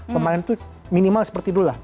pemain itu minimal seperti itu lah